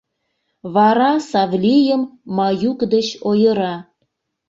Вара Савлийым Маюк деч ойыра.